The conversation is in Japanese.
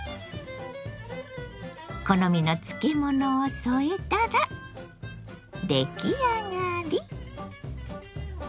好みの漬物を添えたら出来上がり。